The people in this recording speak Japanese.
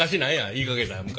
言いかけたん昔。